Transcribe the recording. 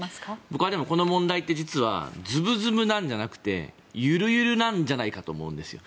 僕はこの問題って実はずぶずぶなんじゃなくてゆるゆるなんじゃないかと思うんですよ。